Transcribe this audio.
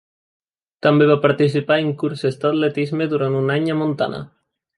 També va participar en curses d'atletisme durant un any a Montana.